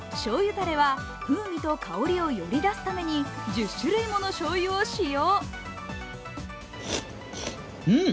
だれは風味と香りをより出すために、１０種類ものしょうゆを使用。